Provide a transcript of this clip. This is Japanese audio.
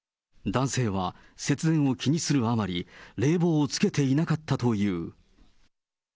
男性は節電を気にするあまり、冷房をつけていなかったという。